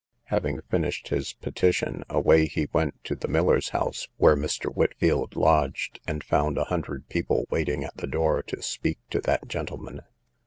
Having finished his petition, away he went to the miller's house, where Mr. Whitfield lodged, and found a hundred people waiting at the door to speak to that gentleman.